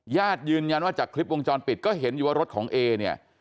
ญาติยืนยันว่าจากคลิปวงจรปิดก็เห็นอยู่ว่ารถของเอเนี่ย